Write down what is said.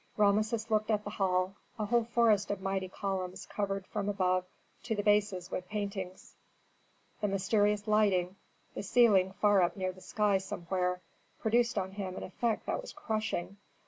Rameses looked at the hall. A whole forest of mighty columns covered from above to the bases with paintings, the mysterious lighting, the ceiling far up near the sky somewhere, produced on him an effect that was crushing.